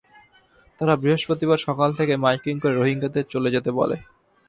তারা বৃহস্পতিবার সকাল থেকে মাইকিং করে রোহিঙ্গাদের চলে যেতে বলে।